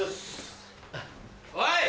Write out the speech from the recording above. おい！